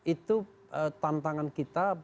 itu tantangan kita